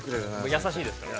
◆優しいですからね。